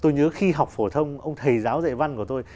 tôi nhớ khi học phổ thông ông thầy giáo dạy văn của tôi